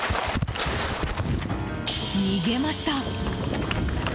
逃げました。